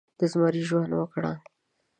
د زمري ژوند وکړه